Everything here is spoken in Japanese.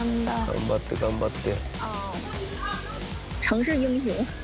頑張って頑張って。